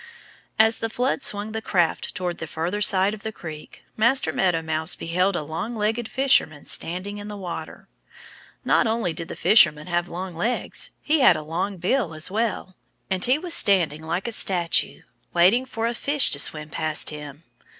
As the flood swung the craft toward the further side of the creek Master Meadow Mouse beheld a long legged fisherman standing in the water. Not only did the fisherman have long legs. He had a long bill as well. And he was standing like a statue, waiting for a fish to swim past him.